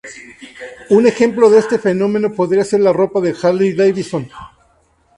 Un ejemplo de este fenómeno podría ser la ropa Harley-Davidson.